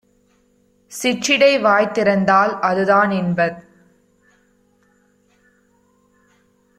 சிற்றிடை வாய்திறந் தாள்.அதுதான் - இன்பத்